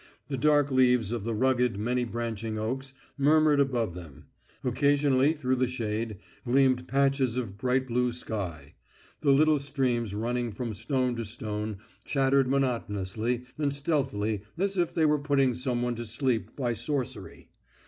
The dark leaves of the rugged many branching oaks murmured above them; occasionally through the shade gleamed patches of bright blue sky; the little streams running from stone to stone chattered monotonously and stealthily as if they were putting someone to sleep by sorcery.